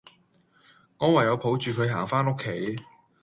我唯有抱住佢行返屋企